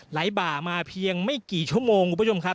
บ่ามาเพียงไม่กี่ชั่วโมงคุณผู้ชมครับ